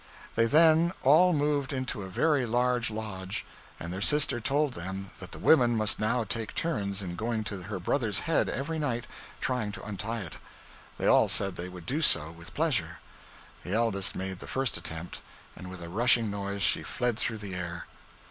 They then all moved into a very large lodge, and their sister told them that the women must now take turns in going to her brother's head every night, trying to untie it. They all said they would do so with pleasure. The eldest made the first attempt, and with a rushing noise she fled through the air.